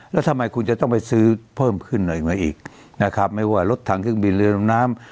แล้วทำไมคุณจะต้องไปซื้อเพิ่มขึ้นหน่อยมาอีกนะครับไม่ว่ารถถังเครื่องบินเรือดำน้ำ